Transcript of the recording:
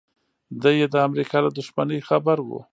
دی یې د امریکا له دښمنۍ خبر و